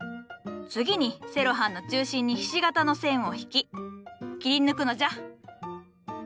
次にセロハンの中心にひし形に線を引き切り抜くのじゃ。